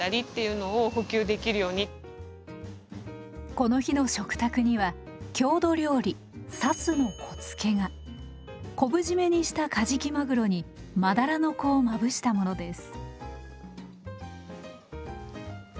この日の食卓には郷土料理「サスの子付け」が。昆布締めにしたカジキマグロにマダラの子をまぶしたものです。